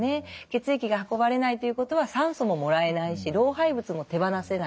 血液が運ばれないということは酸素ももらえないし老廃物も手放せない。